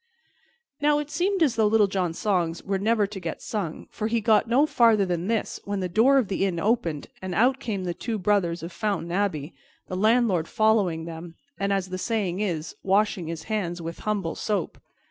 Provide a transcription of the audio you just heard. Now it seemed as though Little John's songs were never to get sung, for he had got no farther than this when the door of the inn opened and out came the two brothers of Fountain Abbey, the landlord following them, and, as the saying is, washing his hands with humble soap.